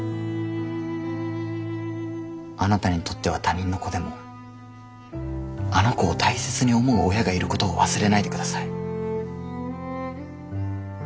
あなたにとっては他人の子でもあの子を大切に思う親がいることを忘れないで下さい。